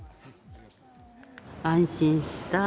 安心した。